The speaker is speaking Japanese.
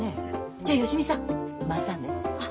じゃ芳美さんまたね。あっ。